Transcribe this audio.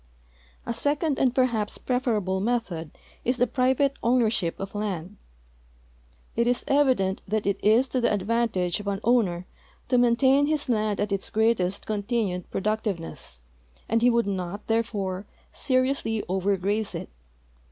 A second and perhaps preferable method is the private owner ship of land. It is evident that it is to the advantage of an owner to maintain his land at its greatest continued jiroductive ness, and he would not, therefore, seriousl}^ over graze it.